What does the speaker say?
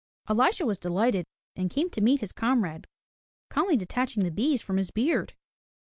Elisha was delighted, and came to meet his comrade, calmly detaching the bees from his beard.